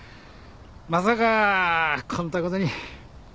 まさかこんたごとに。